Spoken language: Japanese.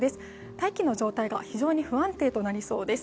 大気の状態が非常に不安定となりそうです。